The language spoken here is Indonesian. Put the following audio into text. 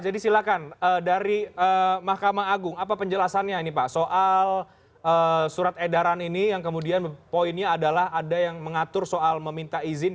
jadi silakan dari mahkamah agung apa penjelasannya ini pak soal surat edaran ini yang kemudian poinnya adalah ada yang mengatur soal meminta izin